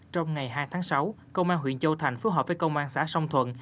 trong ngày hai tháng sáu công an huyện châu thành phối hợp với công an xã song thuận